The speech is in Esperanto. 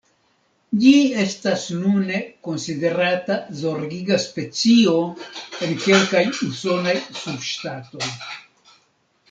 Ĝi estas nune konsiderata zorgiga specio en kelkaj usonaj subŝtatoj.